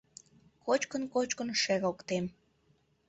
Кочкын-кочкын шер ок тем.